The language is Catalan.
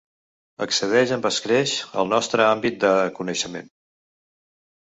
Excedeix amb escreix el nostre àmbit de coneixement.